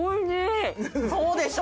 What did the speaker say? そうでしょ？